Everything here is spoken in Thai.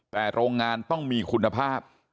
แต่โรงงานต้องมีคุณภาพ